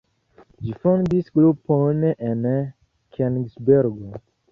Li fondis grupon en Kenigsbergo.